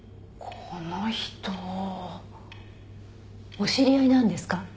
お知り合いなんですか？